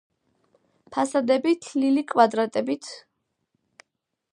ფასადები თლილი კვადრებით არის მოპირკეთებული.